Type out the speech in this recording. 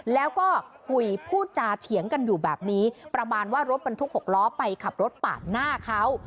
แล้วก็คุยพูดจาเถียงกันอยู่แบบนี้ประมาณว่ารถบรรทุก๖ล้อไปขับรถปาดหน้าเขา